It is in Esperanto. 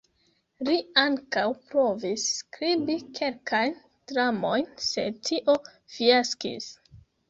Li ankaŭ provis skribi kelkajn dramojn, sed tio fiaskis.